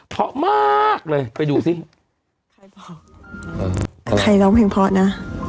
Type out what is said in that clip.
เพราะว่าพวกเห็นว่า